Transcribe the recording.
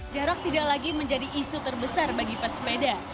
jarak tidak lagi menjadi isu terbesar bagi pesepeda